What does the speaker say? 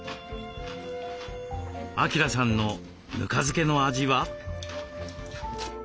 明さんのぬか漬けの味は？